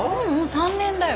３年だよ。